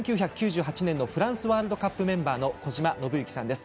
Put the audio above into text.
１９９８年のフランスワールドカップメンバー小島伸幸さんです。